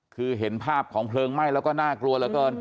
คือเห็นภาพของเพลิงไหม้แล้วก็น่ากลัว